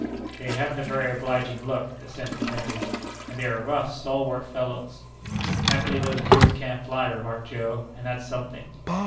"They haven't a very obliging look!" assented Kennedy; "and they are rough, stalwart fellows." "Happily those brutes can't fly," remarked Joe; "and that's something."